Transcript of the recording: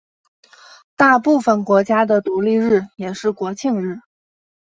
大部分国家的独立日也是国庆日。